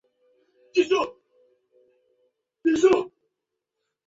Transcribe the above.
听说隔壁赚了不少